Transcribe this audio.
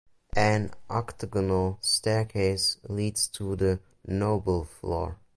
An octagonal staircase leads to the noble floor.